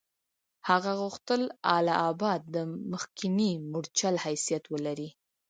هغه غوښتل اله آباد د مخکني مورچل حیثیت ولري.